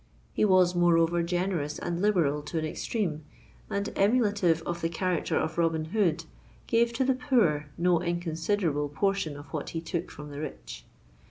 He was moreover generous and liberal to an extreme, and, emulative of the character of Robin Hood, gave to the poor no inconsiderable portion of what he took from the rich.